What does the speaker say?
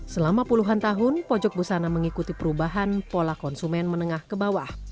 selama puluhan tahun pojok busana mengikuti perubahan pola konsumen menengah ke bawah